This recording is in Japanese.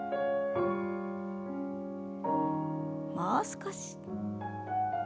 もう少し。